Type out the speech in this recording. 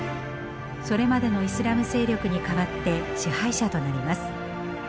それまでのイスラム勢力に代わって支配者となります。